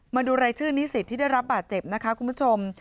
มาดูรายชื่อนิสิตที่ได้รับบาดเจ็บนะคะคุณผู้ชม